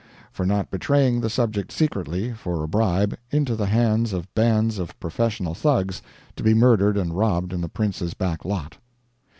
For not betraying the subject secretly, for a bribe, into the hands of bands of professional Thugs, to be murdered and robbed in the prince's back lot.